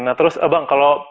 nah terus bang kalau